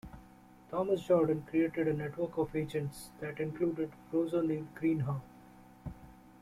Thomas Jordan created a network of agents that included Rose O'Neal Greenhow.